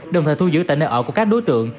đồng thời thu giữ tại nơi ở của các đối tượng